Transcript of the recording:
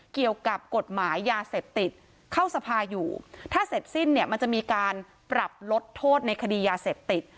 เกี่ยวกับกฎหมายยาเสพติดเข้าสภาอยู่ถ้าเสร็จสิ้นเนี่ยมันจะมีการปรับลดโทษในคดียาเสพติด